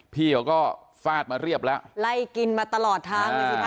พี่เขาก็ฟาดมาเรียบแล้วไล่กินมาตลอดทาง